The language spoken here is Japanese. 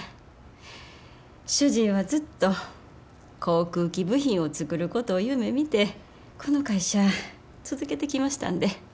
主人はずっと航空機部品を作ることを夢みてこの会社続けてきましたんで。